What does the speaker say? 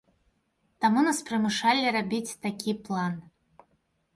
Таму нас прымушалі рабіць такі план.